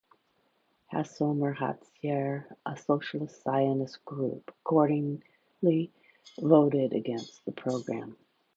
Hashomer Hatzair, a socialist-Zionist group, accordingly voted against the program.